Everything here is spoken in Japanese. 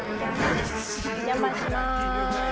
お邪魔しまーす。